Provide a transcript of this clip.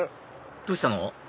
どうしたの？